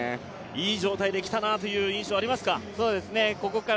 いい状態できたなという印象ありますか？